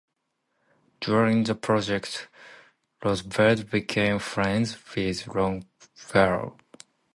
During this project, Roosevelt became friends with Longfellow.